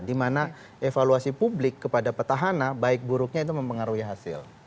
dimana evaluasi publik kepada petahana baik buruknya itu mempengaruhi hasil